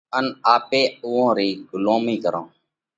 ان آپي اُوئون رئي ڳُلومئِي ڪرونه۔